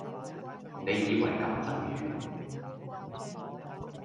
你以為咁就完?